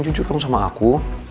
jujur dong sama aku